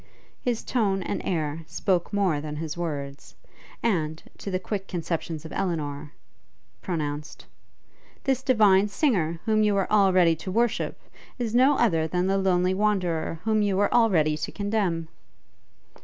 His tone and air spoke more than his words, and, to the quick conceptions of Elinor, pronounced: This divine singer, whom you were all ready to worship, is no other than the lonely Wanderer whom you were all ready to condemn!